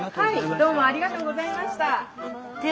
はいどうもありがとうございました。